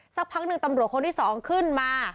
สักพักหนึ่งตำรวจคนที่๒ขึ้นมา